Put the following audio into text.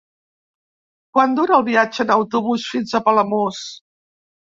Quant dura el viatge en autobús fins a Palamós?